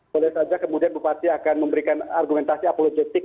boleh saja kemudian bupati akan memberikan argumentasi apolojektif